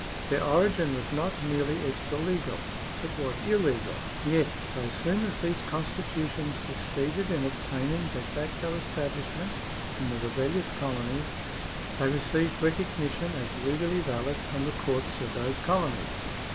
Their origin was not merely extra legal ; it was illegal. Yet so soon as these constitutions succeeded in obtaining de facto establishment in the rebellious colonies, they received recognition as legally valid from the courts of those colonies.